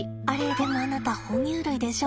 でもあなた哺乳類でしょ？